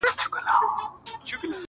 یو په یو به را نړیږي معبدونه د بُتانو؛